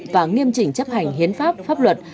và nghiêm chỉnh chấp hành hiến pháp pháp luật